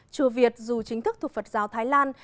chùa việt dù chính thức thuộc phật giáo thái lan